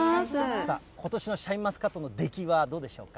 ことしのシャインマスカットの出来はどうでしょうか？